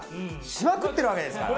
しまくってるわけですから。